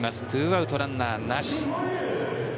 ２アウトランナーなし。